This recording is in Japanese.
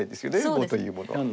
碁というものは。